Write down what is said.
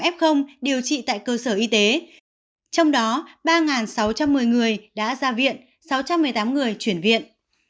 bốn năm trăm sáu mươi tám f điều trị tại cơ sở y tế trong đó ba sáu trăm một mươi người đã ra viện sáu trăm một mươi tám người chuyển viện